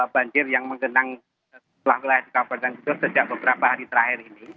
banjir yang menggenang selama beberapa hari terakhir ini